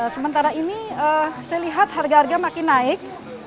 sementara ini saya lihat harga harga makin naik